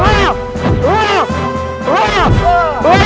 latihan hari ini selesai